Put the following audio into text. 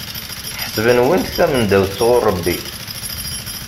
Ḥesben wwin-d tamendawt sɣur Rebbi.